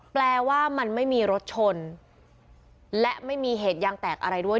แปลว่ามันไม่มีรถชนและไม่มีเหตุยางแตกอะไรด้วย